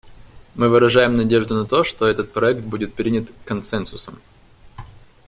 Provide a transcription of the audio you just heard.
Мы выражаем надежду на то, что этот проект будет принят консенсусом.